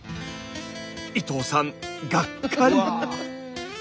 伊藤さんがっかり。